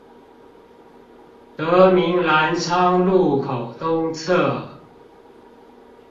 德民藍昌路口東側